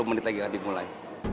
sepuluh menit lagi akan dimulai